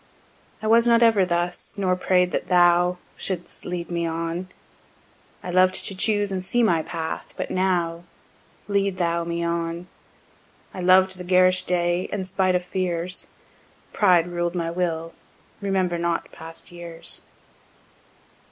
I was not ever thus, nor pray'd that thou Should'st lead me on; I lov'd to choose and see my path; but now Lead thou me on. I loved the garish day, and spite of fears Pride ruled my will; remember not past years.